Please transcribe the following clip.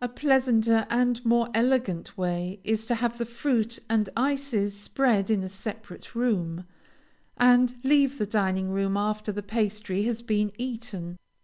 A pleasanter and more elegant way, is to have the fruit and ices spread in a separate room, and leave the dining room after the pastry has been eaten.